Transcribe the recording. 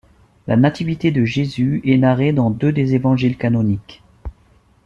La Nativité de Jésus est narrée dans deux des évangiles canoniques.